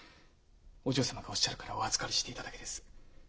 お嬢様がおっしゃるからお預かりしていただけです。